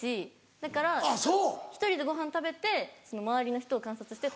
だから１人でごはん食べて周りの人を観察して楽しむ。